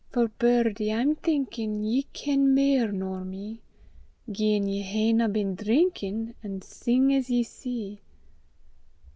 For, birdie, I'm thinkin' Ye ken mair nor me Gien ye haena been drinkin', An' sing as ye see.